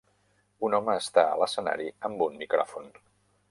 un home està a l'escenari amb un micròfon.